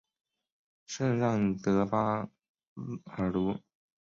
圣让德巴尔鲁。